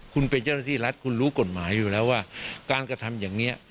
คุณเป็นเจ้าหน้าที่รัฐคุณรู้กฎหมายอยู่แล้วว่าการกระทำอย่างนี้